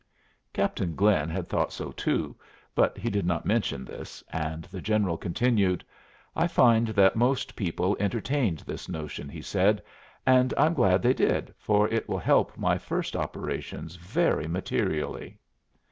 Captain Glynn had thought so too, but he did not mention this, and the General continued. "I find that most people entertained this notion," he said, "and I'm glad they did, for it will help my first operations very materially."